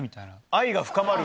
愛が深まる。